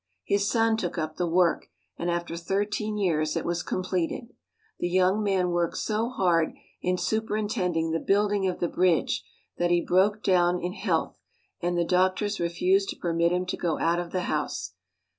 His son took up the work, and after thirteen years it was completed. The young man worked so hard in superin tending the building of the bridge that he broke down in health, and the doctors refused to permit him to go out of the house.